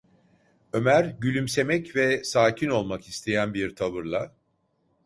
Ömer gülümsemek ve sakin olmak isteyen bir tavırla: